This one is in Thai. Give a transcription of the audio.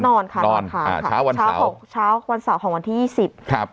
นอนค่ะนอนค่ะอ่าเช้าวันเช้าหกเช้าวันเสาร์ของวันที่ยี่สิบครับ